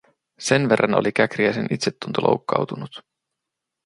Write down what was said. Sen verran oli Käkriäisen itsetunto loukkautunut.